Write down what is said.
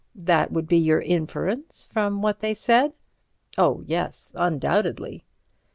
That would be your inference, from what they said." "Oh, yes. Undoubtedly."